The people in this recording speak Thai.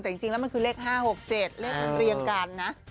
แต่จริงแล้วมันคือเลข๕๖๗เลขมันเรียงกันนะ